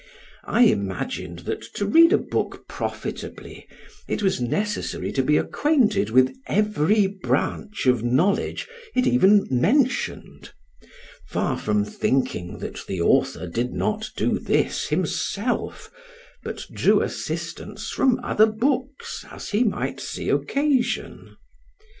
I imagined that to read a book profitably, it was necessary to be acquainted with every branch of knowledge it even mentioned; far from thinking that the author did not do this himself, but drew assistance from other books, as he might see occasion.